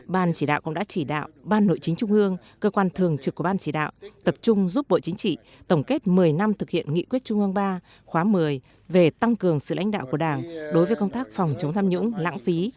ban chỉ đạo cũng đã chỉ đạo ban nội chính trung ương cơ quan thường trực của ban chỉ đạo tập trung giúp bộ chính trị tổng kết một mươi năm thực hiện nghị quyết trung ương ba khóa một mươi về tăng cường sự lãnh đạo của đảng đối với công tác phòng chống tham nhũng lãng phí